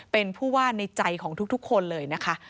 เป็นผู้ว่าในใจของทุกคนเลยนะคะ